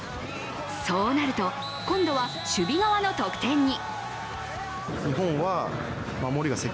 そうなると今度は守備側の得点に。